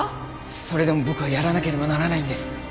それでも僕はやらなければならないんです。